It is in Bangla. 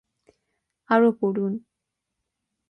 আরও পড়ুন